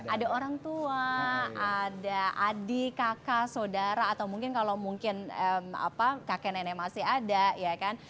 ada orang tua ada adik kakak saudara atau mungkin kalau mungkin kakek nenek masih ada ya kan